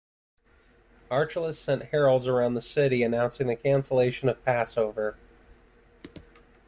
Archelaus sent heralds around the city announcing the cancellation of Passover.